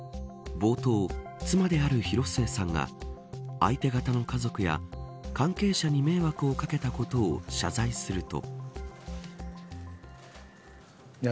冒頭、妻である広末さんが相手方の家族や関係者に迷惑をかけたことを謝罪すると。